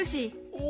お。